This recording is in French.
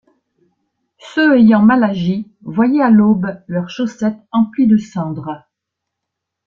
Ceux ayant mal agi voyaient à l'aube leur chaussette emplie de cendres.